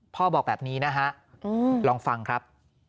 บอกแบบนี้นะฮะลองฟังครับ